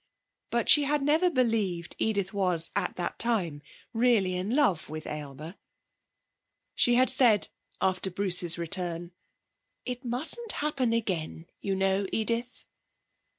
But she had never believed Edith was at that time really in love with Aylmer. She had said, after Bruce's return: 'It mustn't happen again, you know, Edith.'